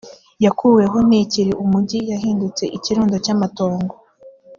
yakuweho ntikiri umugi yahindutse ikirundo cy amatongo